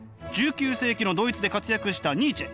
１９世紀のドイツで活躍したニーチェ。